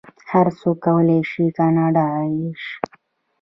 هر څوک کولی شي کاناډایی شي.